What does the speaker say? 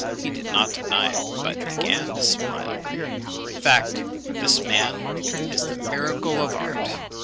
He did not deny it, but began to smile. In fact, this man is the miracle of art.